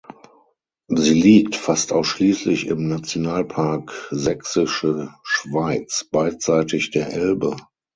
Sie liegt fast ausschließlich im Nationalpark Sächsische Schweiz beidseitig der Elbe.